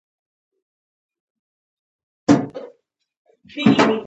دانګلیس درغلۍ په زیاتیدو ده.